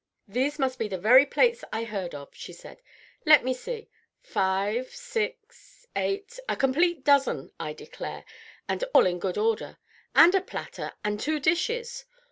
"These must be the very plates I heard of," she said. "Let me see, five, six, eight, a complete dozen, I declare, and all in good order, and a platter, and two dishes!